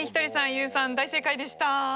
ＹＯＵさん大正解でした。